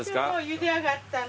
ゆで上がったの。